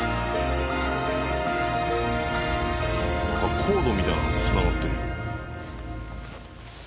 なんかコードみたいなのが繋がってる。